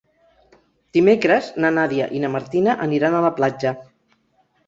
Dimecres na Nàdia i na Martina aniran a la platja.